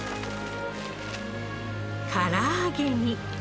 から揚げに。